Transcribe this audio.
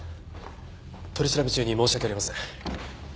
取り調べ中に申し訳ありません。